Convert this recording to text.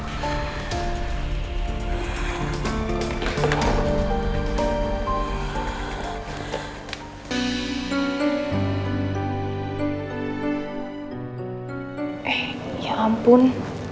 eh ya ampun